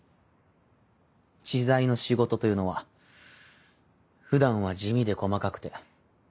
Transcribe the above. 知財の仕事というのは普段は地味で細かくて。